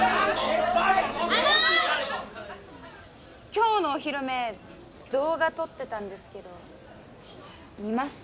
今日のお披露目動画撮ってたんですけど見ます？